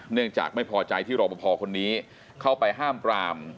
เนื่องจากไม่พอใจที่รอปภคนนี้เข้าไปห้ามปราม